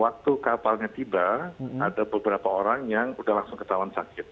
waktu kapalnya tiba ada beberapa orang yang sudah langsung ketahuan sakit